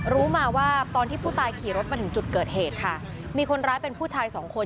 รู้มาว่าตอนที่ผู้ตายขี่รถมาถึงจุดเกิดเหตุค่ะมีคนร้ายเป็นผู้ชายสองคน